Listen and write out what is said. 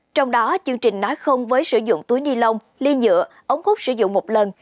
trong đó chương trình nói không với sử dụng túi ni lông ly nhựa ống hút sử dụng một lần